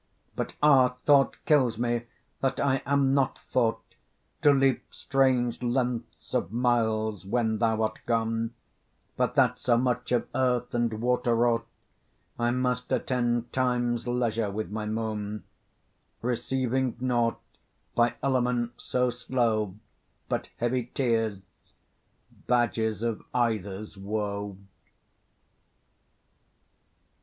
But, ah! thought kills me that I am not thought, To leap large lengths of miles when thou art gone, But that so much of earth and water wrought, I must attend time's leisure with my moan; Receiving nought by elements so slow But heavy tears, badges of either's woe.